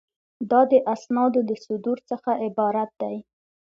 دا د اسنادو د صدور څخه عبارت دی.